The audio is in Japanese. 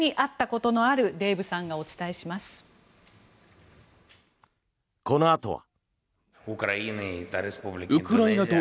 このあとは。